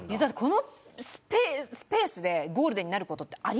このペースでゴールデンになる事ってありました？